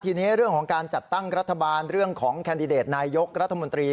ทีนี้เรื่องของการจัดตั้งรัฐบาลเรื่องของแคนดิเดตนายกรัฐมนตรี